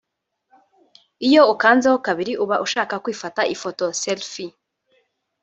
Iyo ukanzeho kabiri uba ushaka kwifata ifoto (Selfie)